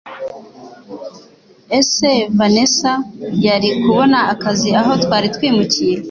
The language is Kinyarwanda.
Ese Vanessa yari kubona akazi aho twari twimukiye